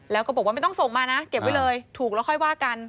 แล้วก็บอกว่าไม่ต้องส่งมานะเก็บไว้เลยถูกแล้วค่อยว่ากัน